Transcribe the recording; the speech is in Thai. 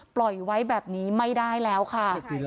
ปล่อยไว้แบบนี้ไม่ได้แล้วค่ะ